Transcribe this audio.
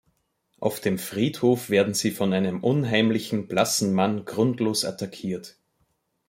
Auf dem Friedhof werden sie von einem unheimlichen, blassen Mann grundlos attackiert.